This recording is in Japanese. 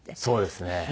そうですね。